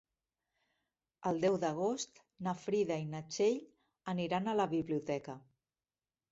El deu d'agost na Frida i na Txell aniran a la biblioteca.